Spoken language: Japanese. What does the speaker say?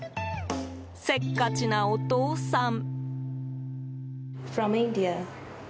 せっかちなお父さん。